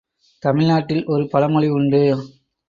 தமிழ் நாட்டில் ஒரு பழமொழி உண்டு.